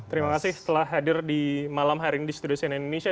terima kasih telah hadir di malam hari ini di studio cnn indonesia